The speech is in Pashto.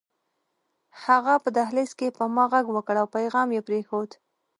هغې په دهلېز کې په ما غږ وکړ او پيغام يې پرېښود